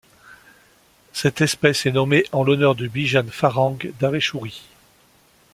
Cette espèce est nommée en l'honneur de Bijan Farhang Darreshuri.